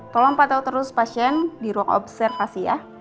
tolong pantau terus pasien di ruang observasi ya